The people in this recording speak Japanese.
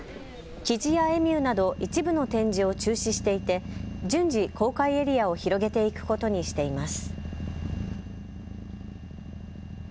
キジやエミューなど一部の展示を中止していて順次、公開エリアを広げていくことにしています。